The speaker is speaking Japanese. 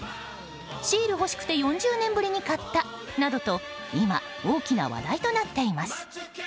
シール欲しくて４０年ぶりに買ったなどと今、大きな話題となっています。